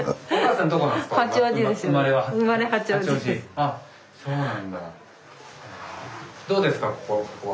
あっそうなんだ。